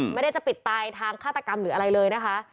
ไม่ได้จะปิดตายทางฆาตกรรมหรืออะไรเลยนะคะ